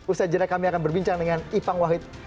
usaha jenayah kami akan berbincang dengan ipang wahid